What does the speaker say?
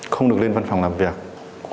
không được lên văn phòng làm việc của đối tượng tú